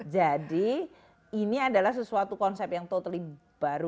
jadi ini adalah sesuatu konsep yang totally baru baru